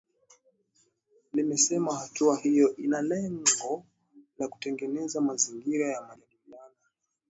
Limesema hatua hiyo ina lengo la kutengeneza mazingira ya majadiliano .